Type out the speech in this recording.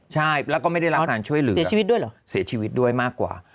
ใช่แล้วก็ไม่ได้รับการช่วยเหลือเสียชีวิตด้วยเหรอเสียชีวิตด้วยมากกว่า